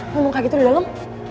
lu muka gitu di dalam